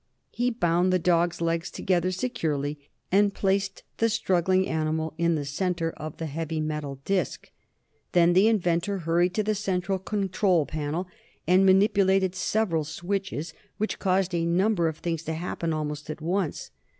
He bound the dog's legs together securely, and placed the struggling animal in the center of the heavy metal disc. Then the inventor hurried to the central control panel and manipulated several switches, which caused a number of things to happen almost at once.